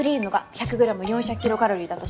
１００グラム４００キロカロリーだとして。